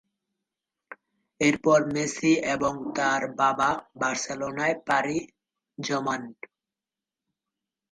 এরপর মেসি এবং তার বাবা বার্সেলোনায় পাড়ি জমান।